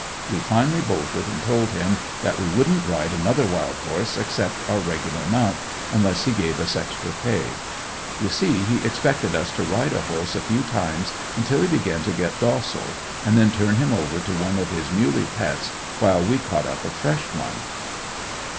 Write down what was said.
We finally bolted and told him that we wouldn't ride another wild horse except our regular "mount," unless he gave us extra pay. You see he expected us to ride a horse a few times until he began to get docile and then turn him over to one of his muley pets while we caught up a fresh one.